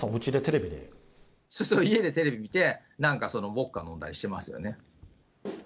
そうそう、家でテレビ見て、なんかそのウォッカ飲んだりしてますよね。